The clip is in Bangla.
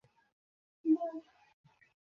তাঁহার নাম যতই প্রচারিত হইবে, ততই এই জাতির কল্যাণ।